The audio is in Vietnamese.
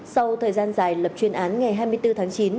sau thời gian dài lập chuyên án ngày hai mươi bốn tháng chín